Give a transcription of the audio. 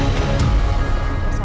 jadi kita harus berpikir pikir